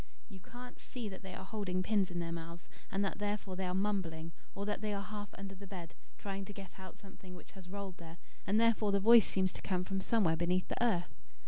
You can't see that they are holding pins in their mouths, and that therefore they are mumbling; or that they are half under the bed, trying to get out something which has rolled there, and therefore the voice seems to come from somewhere beneath the earth.